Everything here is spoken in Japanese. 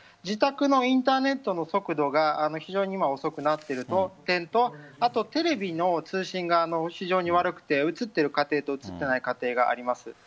自宅のインターネットの速度が非常に遅くなっている点とテレビの通信が非常に悪くて映っている家庭と映っていない家庭があります。